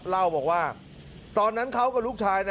เล่าบอกว่าตอนนั้นเขากับลูกชาย